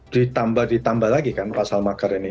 ditambah ditambah lagi kan pasal makar ini